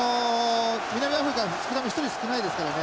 南アフリカはスクラム１人少ないですからね。